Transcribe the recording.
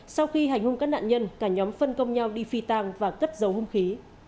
sau khi hành hung các nạn nhân cả nhóm phân công nhau đi phi tàng và cất dấu hung khí